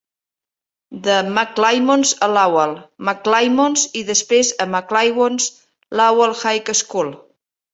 De McClymonds a Lowell McClymonds, i després a McClymonds Lowell High School.